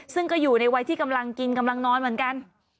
ซึ่งก็อยู่ในวัยที่กำลังกินกำลังนอนเหมือนกัน